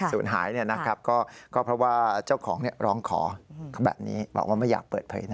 สี่วันหายนี่นะครับ